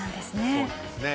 そうなんですね。